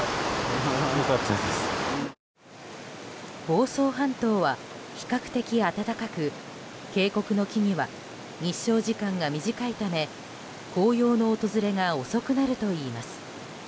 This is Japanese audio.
房総半島は比較的暖かく渓谷の木々は日照時間が短いため紅葉の訪れが遅くなるといいます。